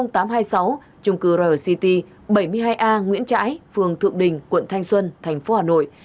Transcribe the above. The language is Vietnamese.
trung cư r city bảy mươi hai a nguyễn trãi phường thượng đình quận thanh xuân thành phố hà nội